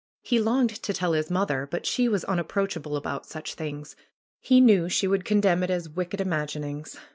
He longed to tell his mother, but she was unapproachable about such things. He knew she would condemn it as 'Vicked imaginings."